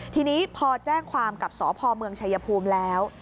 ทีนี้พอแจ้งความกับสพเมืองชายภูมิแล้ว